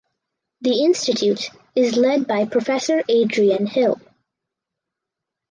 The institute is led by Professor Adrian Hill.